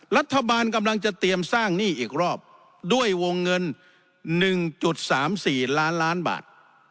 รัฐบาลกำลังจะเตรียมสร้างหนี้อีกรอบด้วยวงเงิน๑๓๔ล้านล้านบาท